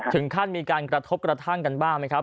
ถึงขั้นมีการกระทบกระทั่งกันบ้างไหมครับ